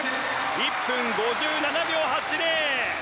１分５７秒８０。